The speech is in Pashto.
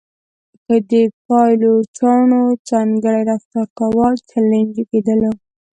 که یې د پایلوچانو ځانګړی رفتار کاوه چلنج کېدلو.